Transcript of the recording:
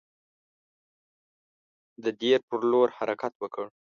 د دیر پر لور حرکت وکړ.